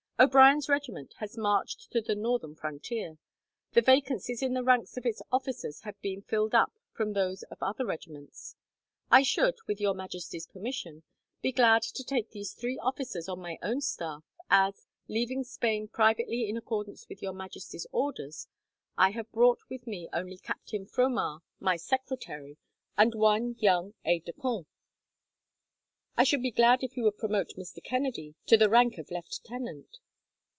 "O'Brien's regiment has marched to the northern frontier. The vacancies in the ranks of its officers have been filled up from those of other regiments. I should, with Your Majesty's permission, be glad to take these three officers on my own staff, as, leaving Spain privately in accordance with Your Majesty's orders, I have brought with me only Captain Fromart, my secretary, and one young aide de camp. I should be glad if you would promote Mr. Kennedy to the rank of lieutenant."